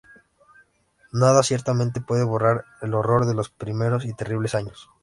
Nada, ciertamente, puede borrar el horror de los primeros y terribles años.